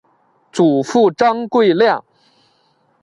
祖父张贵谅。